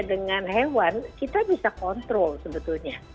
dengan hewan kita bisa kontrol sebetulnya